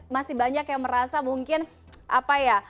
masih banyak yang merasa mungkin apa ya